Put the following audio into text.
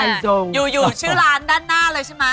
อยู่ชื่อร้านด้านหน้าเลยใช่ไหม